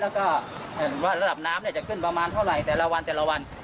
แล้วก็ว่าระดับน้ำจะขึ้นประมาณเท่าไหร่แต่ละวันแต่ละวัน